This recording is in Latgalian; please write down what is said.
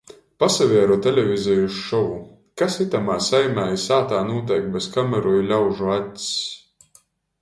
Pasavieru televizejis šovu. Kas itamā saimē i sātā nūteik bez kameru i ļaužu acs?